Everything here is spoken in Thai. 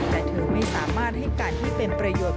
แต่เธอไม่สามารถให้การที่เป็นประโยชน์